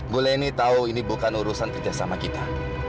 bu leni tahu ini bukan urusan kerjasama kita